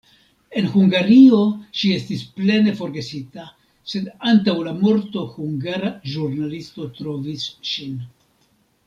En Hungario ŝi estis plene forgesita, sed antaŭ la morto hungara ĵurnalisto trovis ŝin.